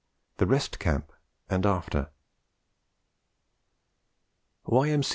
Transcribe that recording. THE REST CAMP AND AFTER Y.M.C.